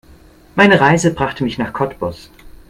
Meine Reise brachte mich nach Cottbus